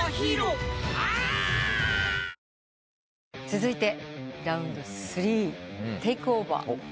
続いてラウンド３テイクオーバー。